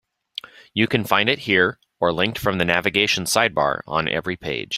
You can find it here, or linked from the navigation sidebar on every page.